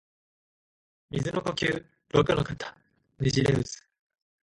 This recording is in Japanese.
水の呼吸陸ノ型ねじれ渦（ろくのかたねじれうず）